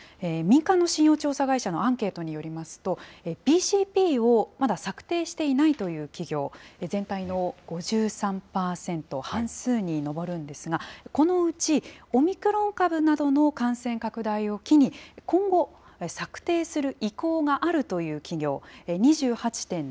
民間の信用調査会社のアンケートによりますと、ＢＣＰをまだ策定していないという企業、全体の５３％、半数に上るんですが、このうち、オミクロン株などの感染拡大を機に、今後、策定する意向があるという企業、２８．７％。